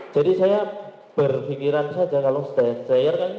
jadi saya berpikiran saja kalau saya